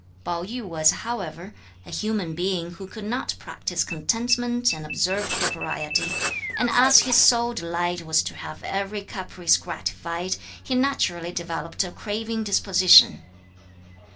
Pao yü was, however, a human being who could not practise contentment and observe propriety; and as his sole delight was to have every caprice gratified, he naturally developed a craving disposition.